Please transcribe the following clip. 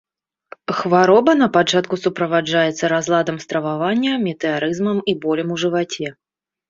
Хвароба на пачатку суправаджаецца разладам стрававання, метэарызмам і болем у жываце.